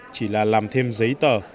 chỉ là làm thêm giấy tờ